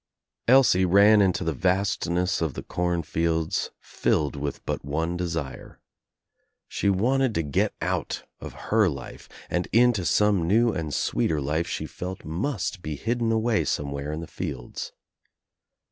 Elsie ran into the vastness of the cornfields filled with but one desire. She wanted to get out of her life and into some new and sweeter life she felt must ht dden away somewhere in the fields.